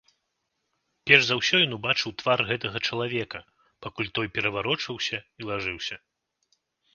Перш за ўсё ён убачыў твар гэтага чалавека, пакуль той пераварочваўся і лажыўся.